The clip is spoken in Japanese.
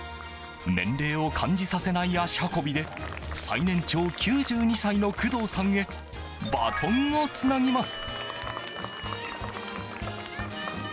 年齢を感じさせない足運びで最年長９２歳の工藤さんへバトンをつなぎます。